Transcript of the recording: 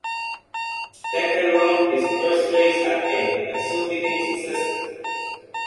Dekker rode his first race at eight, and soon became successful.